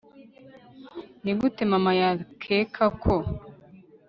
nigute mama yakeka?ko